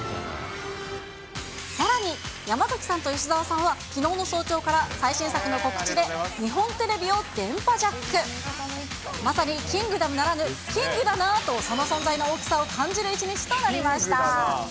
さらに、山崎さんと吉沢さんは、きのうの早朝から、最新作の告知で日本テレビを電波ジャック。まさにキングダムならぬキングだなと、その存在の大きさを感じる一日となりました。